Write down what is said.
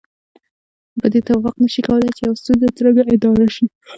په دې توافق نشي کولای چې يوه ستونزه څرنګه اداره شي.